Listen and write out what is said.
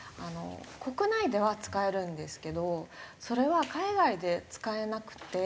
国内では使えるんですけどそれは海外で使えなくて。